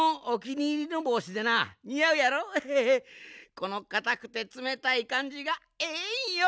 このかたくてつめたいかんじがええんよ。